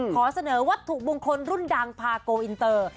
ขอเสนอวัตถุมงคลรุ่นดังพาโกอินเตอร์